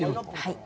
はい。